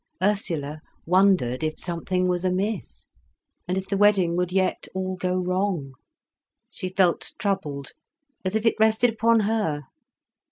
Ursula wondered if something was amiss, and if the wedding would yet all go wrong. She felt troubled, as if it rested upon her.